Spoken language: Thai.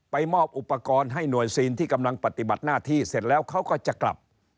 มอบอุปกรณ์ให้หน่วยซีนที่กำลังปฏิบัติหน้าที่เสร็จแล้วเขาก็จะกลับ